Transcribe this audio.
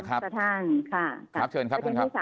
ครับเชิญครับท่านครับ